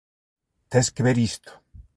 Tes que ver isto!